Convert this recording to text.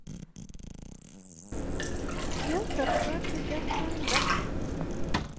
پیاز د غذا ښه جذب ته مرسته کوي